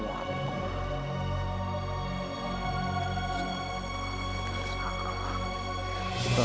aku tidak ingin mengganggunya